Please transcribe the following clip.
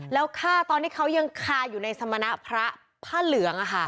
แล้วฆ่าตอนที่เขายังคาอยู่ในสมณะพระผ้าเหลือง